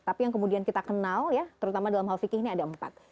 tapi yang kemudian kita kenal ya terutama dalam hal fikih ini ada empat